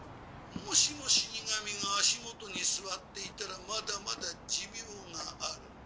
「もしも死神が足元に座っていたらまだまだ寿命がある」